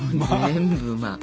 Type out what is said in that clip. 全部うまっ。